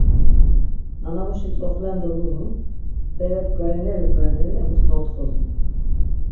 Nanamuşi tzoxlendo nulun, bere bgarineri bgarineri emus notxozun.